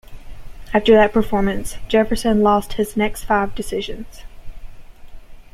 After that performance, Jefferson lost his next five decisions.